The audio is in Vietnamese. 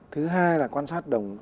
thứ hai là quan sát đồng euro